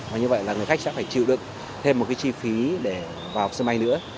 và như vậy là người khách sẽ phải chịu đựng thêm một cái chi phí để vào sân bay nữa